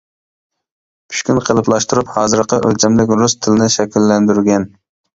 پۇشكىن قېلىپلاشتۇرۇپ، ھازىرقى ئۆلچەملىك رۇس تىلىنى شەكىللەندۈرگەن.